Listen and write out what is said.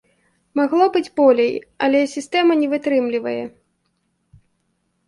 Магло быць болей, але сістэма не вытрымлівае.